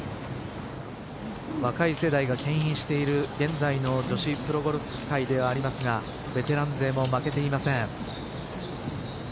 若い世代がけん引している現在の女子プロゴルフ界ではありますがベテラン勢も負けていません。